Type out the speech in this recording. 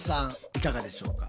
いかがでしょうか？